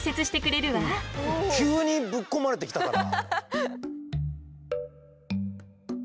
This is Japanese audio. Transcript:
急にぶっ込まれてきたから。